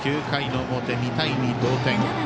９回の表、２対２同点。